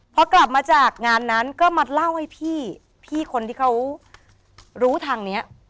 พอกลับมาจากงานนั้นก็มาเล่าให้พี่พี่คนที่เขารู้ทางเนี้ย